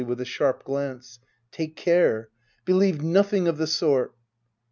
[Sojih^, with a sharp glance,] Take care ! Believe nothing of the sort